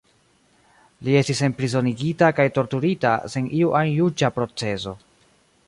Li estis enprizonigita kaj torturita, sen iu ajn juĝa proceso.